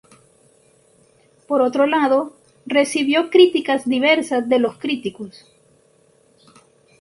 Por otro lado, recibió críticas diversas de los críticos.